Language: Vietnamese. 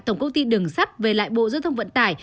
tổng công ty đường sắt về lại bộ dương tông vận tải